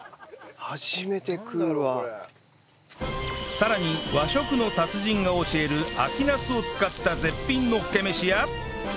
さらに和食の達人が教える秋ナスを使った絶品のっけ飯や